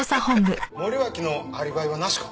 森脇のアリバイはなしか？